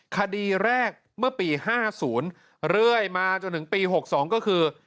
คดีแรกเมื่อปี๕๐เรื่อยมาจนถึงปี๖๒ก็คือ